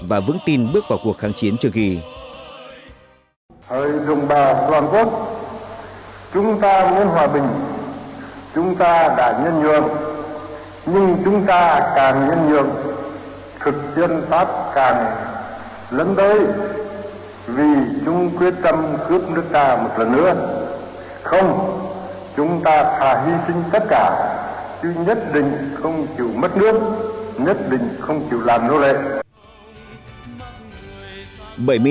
và vững tin bước vào cuộc kháng chiến trước khi